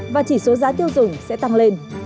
và chỉ số giá tiêu dùng sẽ tăng lên